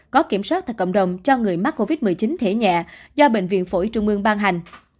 có kiểm soát thật cộng đồng cho người mắc covid một mươi chín thể nhẹ do bệnh viện phổi trung ương ban hành